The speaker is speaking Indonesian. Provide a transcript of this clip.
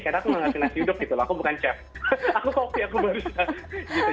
karena aku nggak ngasih nasi uduk gitu loh aku bukan chef aku kopi aku barista